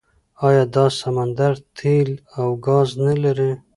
آیا دا سمندر تیل او ګاز نلري؟